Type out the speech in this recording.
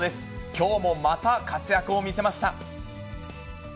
きょうもまた活躍を見せました。